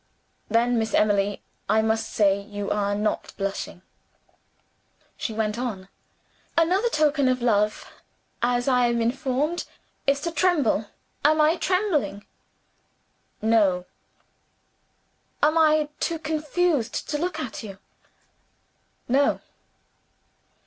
"Then, Miss Emily, I must say you are not blushing." She went on. "Another token of love as I am informed is to tremble. Am I trembling?" "No." "Am I too confused to look at you?" "No."